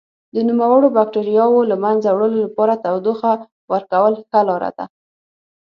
د نوموړو بکټریاوو له منځه وړلو لپاره تودوخه ورکول ښه لاره ده.